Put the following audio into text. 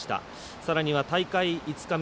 さらには、大会５日目。